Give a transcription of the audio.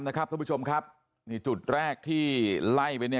ทุกผู้ชมครับนี่จุดแรกที่ไล่ไปเนี่ย